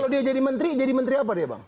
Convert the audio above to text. kalau dia jadi menteri jadi menteri apa dia bang